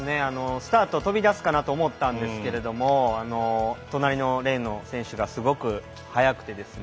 スタート飛び出すかなと思ったんですけれども隣のレーンの選手がすごく速くてですね。